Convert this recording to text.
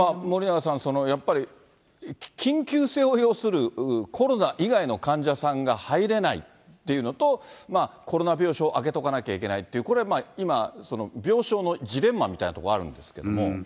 森永さん、やっぱり緊急性を要するコロナ以外の患者さんが入れないっていうのと、コロナ病床を空けとかなきゃいけないというこれ、今、病床のジレンマみたいなところがあるんですけれども。